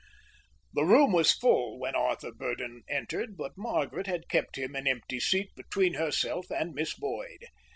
The room was full when Arthur Burdon entered, but Margaret had kept him an empty seat between herself and Miss Boyd.